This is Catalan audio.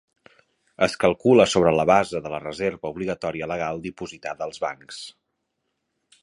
Es calcula sobre la base de la reserva obligatòria legal dipositada als bancs.